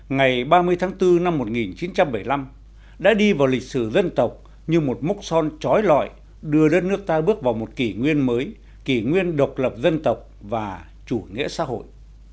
ngày ba mươi tháng bốn năm một nghìn chín trăm bảy mươi năm đã đi vào lịch sử dân tộc như một mốc son trói lọi đưa đất nước ta bước vào một kỷ nguyên mới kỷ nguyên độc lập dân tộc và chủ nghĩa xã hội